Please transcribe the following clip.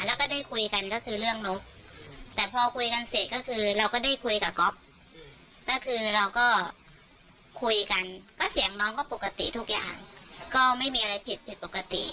แล้วก็ได้คุยกันก็คือเรื่องนกแต่พอคุยกันเสร็จก็คือเราก็ได้คุยกับก๊อฟก็คือเราก็คุยกันก็เสียงน้องก็ปกติทุกอย่างก็ไม่มีอะไรผิดผิดปกติ